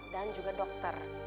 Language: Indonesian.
dan juga dokter